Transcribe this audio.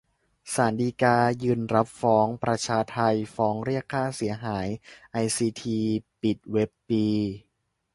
ศาลฎีกายืนรับฟ้อง 'ประชาไท' ฟ้องเรียกค่าเสียหายไอซีที ปิดเว็บปี